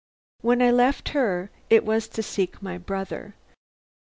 When I left her it was to seek my brother.